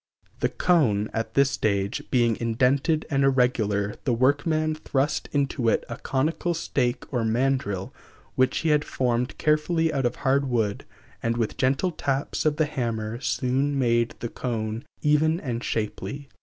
The cone, at this stage, being indented and irregular, the workman thrust into it a conical stake or mandrel, which he had formed carefully out of hard wood, and with gentle taps of the hammer soon made the cone even and shapely.